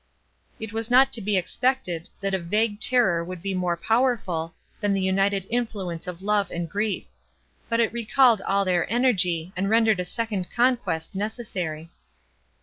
It was not to be expected, that a vague terror would be more powerful, than the united influence of love and grief. But it recalled all their energy, and rendered a second conquest necessary.